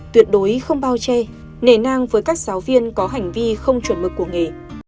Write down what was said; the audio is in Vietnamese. tuyệt đối không bao che nề nang với các giáo viên có hành vi không chuẩn mực của nghề